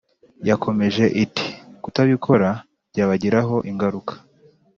Yakomeje iti Kutabikora byabagiraho ingaruka